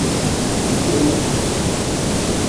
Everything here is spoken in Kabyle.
Isem-nnem?